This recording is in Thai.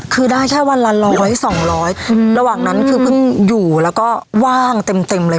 คือได้แค่วันละร้อยสองร้อยระหว่างนั้นคือเพิ่งอยู่แล้วก็ว่างเต็มเลย